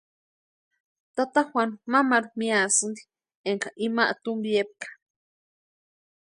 Tata Juanu mamaru miasïnti énka ima tumpiepka.